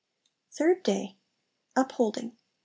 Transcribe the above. Third Day. Upholding.